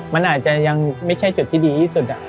มันอาจจะยังไม่ใช่จุดที่ดีที่สุด